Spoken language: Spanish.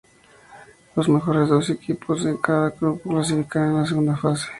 Los mejores dos equipos de cada grupo clasificarán a la segunda fase.